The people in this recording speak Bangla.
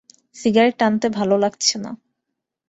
সিগারেট টানতে ভালো লাগছে না।